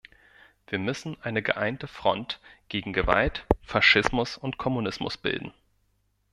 Wir müssen eine geeinte Front gegen Gewalt, Faschismus und Kommunismus bilden.